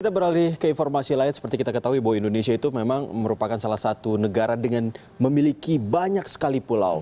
kita beralih ke informasi lain seperti kita ketahui bahwa indonesia itu memang merupakan salah satu negara dengan memiliki banyak sekali pulau